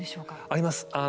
あります。